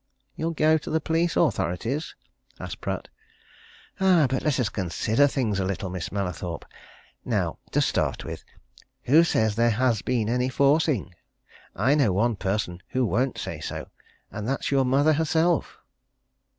"You'll go to the police authorities?" asked Pratt. "Ah! but let us consider things a little, Miss Mallathorpe. Now, to start with, who says there has been any forcing? I know one person who won't say so and that's your mother herself!"